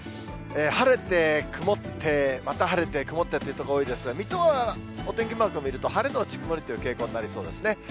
晴れて、曇って、また晴れて、曇ってって所が多いですが、水戸はお天気マークを見ると、晴れ後曇りという傾向になりそうですね。